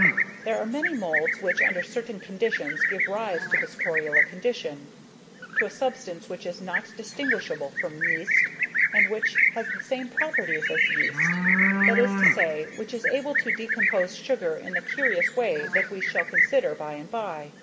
There are many moulds which under certain conditions give rise to this torula condition, to a substance which is not distinguishable from yeast, and which has the same properties as yeast that is to say, which is able to decompose sugar in the curious way that we shall consider by and by.